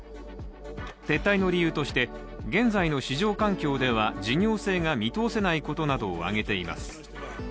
撤退の理由として、現在の市場環境では事業性が見通せないことなどを挙げています。